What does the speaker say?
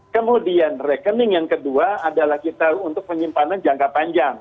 kemudian rekening yang kedua adalah kita untuk penyimpanan jangka panjang